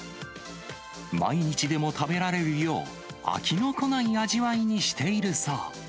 毎日でも食べられるよう、飽きの来ない味わいにしているそう。